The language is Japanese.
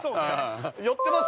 酔ってます？